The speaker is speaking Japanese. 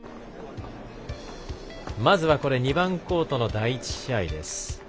まずは、２番コートの第１試合です。